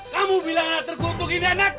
kamu bilang terkutuk ini anakku